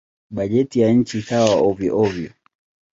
Bajeti ya nchi ikawa hovyo-hovyo.